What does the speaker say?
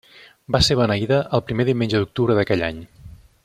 Va ser beneïda el primer diumenge d'octubre d'aquell any.